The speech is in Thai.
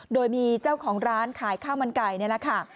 โดยมีเจ้าของร้านขายข้าวมันไก่นี่แหละค่ะ